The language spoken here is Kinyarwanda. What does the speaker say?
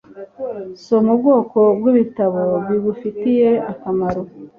Soma ubwoko bwibitabo bigufitiye akamaro